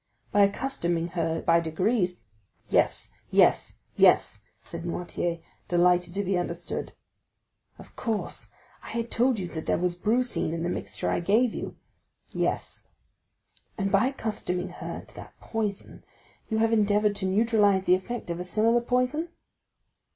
"By accustoming her by degrees——" "Yes, yes, yes," said Noirtier, delighted to be understood. "Of course. I had told you that there was brucine in the mixture I give you." "Yes." "And by accustoming her to that poison, you have endeavored to neutralize the effect of a similar poison?"